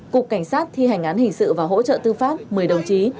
cục cảnh sát thi hành án hình sự và hỗ trợ tư pháp một mươi đồng chí